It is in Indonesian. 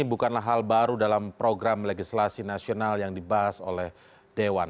bukanlah hal baru dalam program legislasi nasional yang dibahas oleh dewan